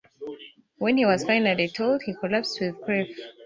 When he was finally told, he collapsed with grief.